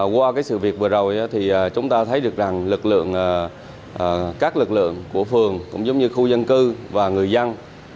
qua sự việc vừa rồi chúng ta thấy được các lực lượng của phường khu dân cư và người dân